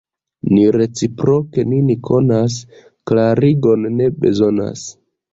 Ni reciproke nin konas, klarigon ne bezonas.